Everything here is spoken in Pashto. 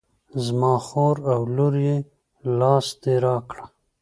زما خور او لور یې لاس دې را کړه.